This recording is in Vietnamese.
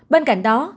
bên cạnh đó